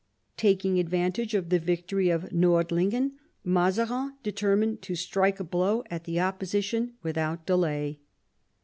Taking advantage of the victory of Nordlingen, Mazarin determined to strike a blow at the opposition without delay.